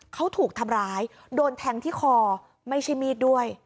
เขาถูกทำร้ายโดนแทงที่คอไม่ใช่มีดด้วย